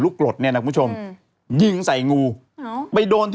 เข้าแค่แน่นอน